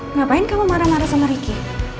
ngapain kamu marah marah sama ricky